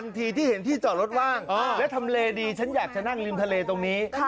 ที่เห็นที่จอดรถว่างแล้วทำเลดีฉันอยากจะนั่งริมทะเลตรงนี้